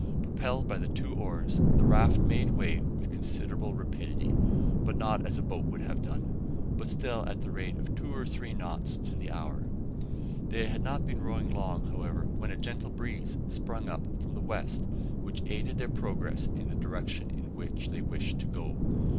Propelled by the two oars, the raft made way with considerable rapidity, not as a boat would have done, but still at the rate of two or three knots to the hour. They had not been rowing long, however, when a gentle breeze sprung up from the west, which aided their progress in the direction in which they wished to go.